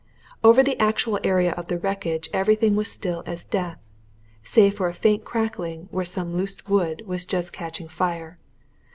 Over the actual area of the wreckage everything was still as death, save for a faint crackling where some loose wood was just catching fire.